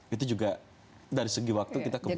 itu juga dari segi waktu kita